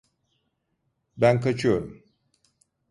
Ben kaçıyorum.